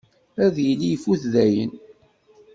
Ad yili ifut dayen.